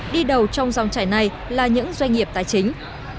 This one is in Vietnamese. đi đầu trong dòng chảy này là những doanh nghiệp tài chính